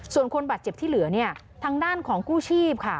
ส่วนคนบาดเจ็บที่เหลือเนี่ยทางด้านของกู้ชีพค่ะ